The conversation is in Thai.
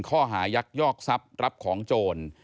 ข้อหายักยอกทรัพย์รับของโจร